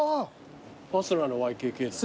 ファスナーのＹＫＫだ。